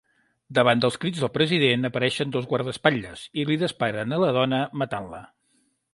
Davant els crits del president, apareixen dos guardaespatlles i li disparen a la dona, matant-la.